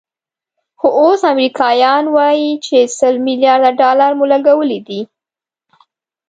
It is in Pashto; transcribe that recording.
خو اوس امریکایان وایي چې سل ملیارده ډالر مو لګولي دي.